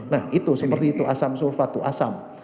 nah itu seperti itu asam sulfat itu asam